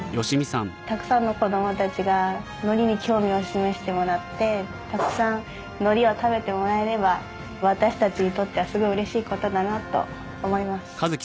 たくさんの子どもたちが海苔に興味を示してもらってたくさん海苔を食べてもらえれば私たちにとってはすごい嬉しい事だなと思います。